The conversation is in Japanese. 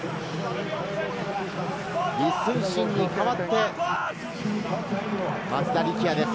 李承信に代わって松田力也です。